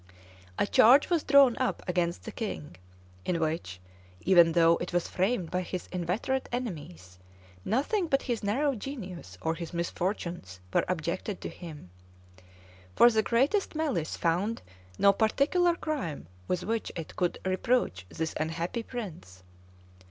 A charge was drawn up against the king, in which, even though it was framed by his inveterate enemies, nothing but his narrow genius, or his misfortunes, were objected to him; for the greatest malice found no particular crime with which it could reproach this unhappy prince.